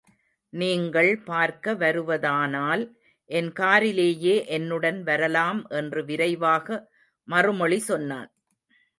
நீங்கள் பார்க்க வருவதானால் என் காரிலேயே என்னுடன் வரலாம் என்று விரைவாக மறுமொழி சொன்னான்.